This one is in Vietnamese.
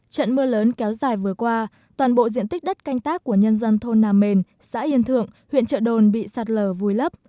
trận mưa lớn kéo dài vừa qua toàn bộ diện tích đất canh tác của nhân dân thôn nà mềm xã yên thượng huyện trợ đồn bị sạt lở vùi lấp